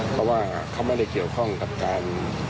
เพราะว่าเขาไม่ได้เกี่ยวข้องกับการ